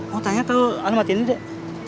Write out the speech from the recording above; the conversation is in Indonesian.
mau tanya tuh alamat ini dek